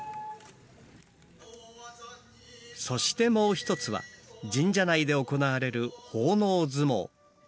そしてもう一つは神社内で行われる「奉納相撲」。